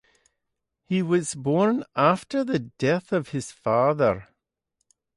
He was born after the death of his father.